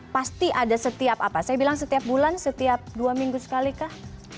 pasti ada setiap apa saya bilang setiap bulan setiap dua minggu sekali kah